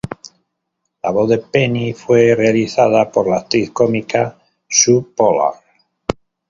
La voz de Penny fue realizada por la actriz cómica Su Pollard.